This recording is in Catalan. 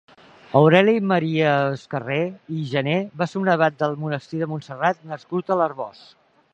Aureli Maria Escarré i Jané va ser un abat del monestir de Montserrat nascut a l'Arboç.